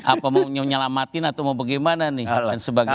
apa mau nyelamatin atau mau bagaimana nih dan sebagainya